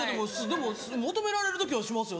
でも求められる時はしますよ